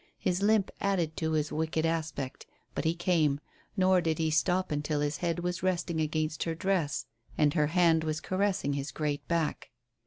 His limp added to his wicked aspect, but he came, nor did he stop until his head was resting against her dress, and her hand was caressing his great back.